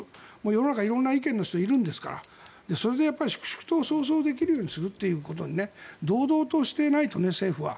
世の中色々な意見の人がいるんですからそれで粛々と国葬をできるように堂々としていないと、政府は。